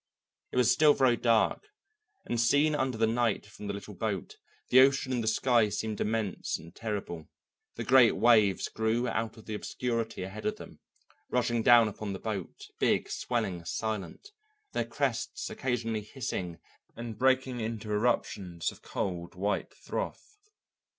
It was still very dark, and seen under the night from the little boat, the ocean and the sky seemed immense and terrible; the great waves grew out of the obscurity ahead of them, rushing down upon the boat, big, swelling, silent, their crests occasionally hissing and breaking into irruptions of cold white froth.